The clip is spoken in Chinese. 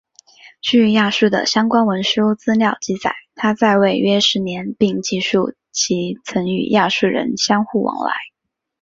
据亚述的相关文书资料记载他在位约十年并记述其曾与亚述人相互往来。